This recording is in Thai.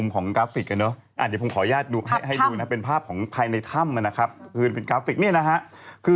ปากเข้าไปปากเข้าไปมันเป็น๓แยก